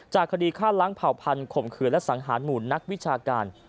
คดีฆ่าล้างเผ่าพันธ่มขืนและสังหารหมู่นักวิชาการ